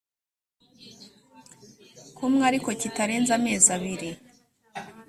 kumwe ariko kitarenze amezi abiri